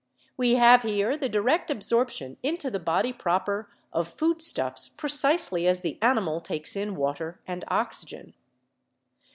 We have here the direct absorption into the body proper of food stuffs precisely as the animal takes in water and oxygen.